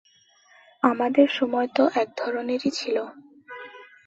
আমাদের সময় তো এক ধরনেরই ছিল।